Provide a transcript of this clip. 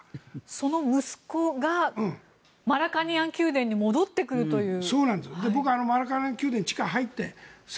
その息子がマラカニアン宮殿に戻ってくるという。